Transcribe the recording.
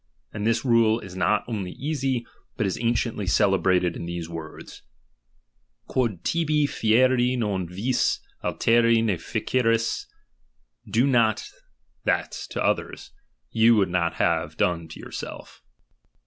And this rule is not only easy, but is .^^inciently celebrated in these words, quod tibi fieri r^^ion vis, alteri ne feceris : do not that to others^ ^g/ ou would not have done to yourself.